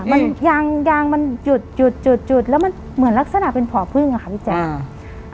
มันยางยางมันจุดจุดจุดจุดแล้วมันเหมือนลักษณะเป็นผ่อพึ่งอะค่ะพี่แจ๊ค